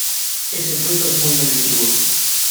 Ese fruto es muy nutritivo.